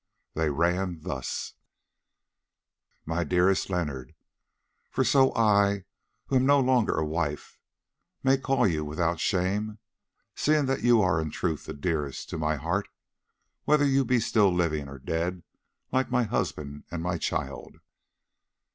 They ran thus: "My dearest Leonard,—For so I, who am no longer a wife, may call you without shame, seeing that you are in truth the dearest to my heart, whether you be still living, or dead like my husband and my child.